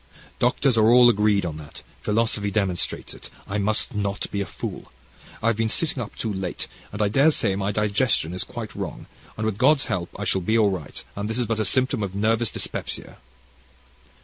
Doctors are all agreed on that, philosophy demonstrates it. I must not be a fool. I've been sitting up too late, and I daresay my digestion is quite wrong, and, with God's help, I shall be all right, and this is but a symptom of nervous dyspepsia.'